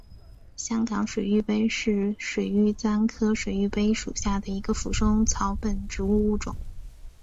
香港水玉杯是水玉簪科水玉杯属下的一个腐生草本植物物种。